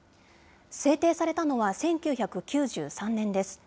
制定されたのは、１９９３年です。